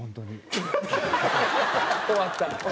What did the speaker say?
終わった。